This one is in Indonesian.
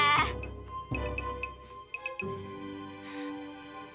maksud kamu apaan sih